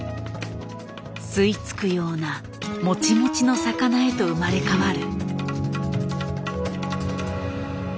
吸い付くようなモチモチの魚へと生まれ変わる。